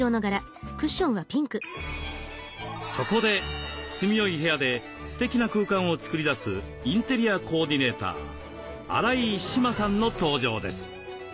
そこで住みよい部屋でステキな空間を作り出すインテリアコーディネーター荒井詩万さんの登場です。